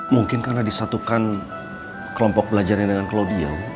mungkin karena disatukan kelompok belajaran dengan claudia